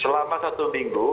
selama satu minggu